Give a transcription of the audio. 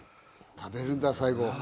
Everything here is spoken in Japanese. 食べるんだ、最後。